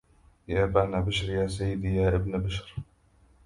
يا بان بشر يا سيدي يا ابن بشر